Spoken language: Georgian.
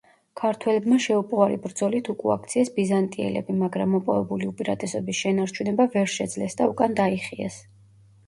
ქართველებმა შეუპოვარი ბრძოლით უკუაქციეს ბიზანტიელები, მაგრამ მოპოვებული უპირატესობის შენარჩუნება ვერ შეძლეს და უკან დაიხიეს.